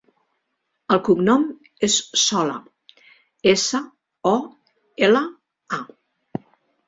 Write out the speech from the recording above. El cognom és Sola: essa, o, ela, a.